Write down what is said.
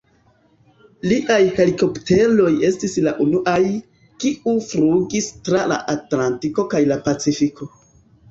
Liaj helikopteroj estis la unuaj, kiu flugis tra la Atlantiko kaj la Pacifiko.